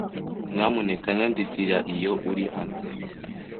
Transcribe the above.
Nyamuneka nyandikira iyo uri hano.